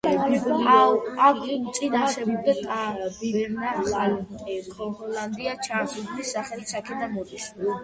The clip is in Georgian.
აქ უწინ არსებობდა ტავერნა „ახალი ჰოლანდია“, ჩანს, უბნის სახელიც აქედან მოდის.